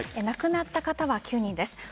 亡くなった方は９人です。